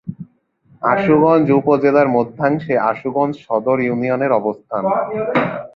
আশুগঞ্জ উপজেলার মধ্যাংশে আশুগঞ্জ সদর ইউনিয়নের অবস্থান।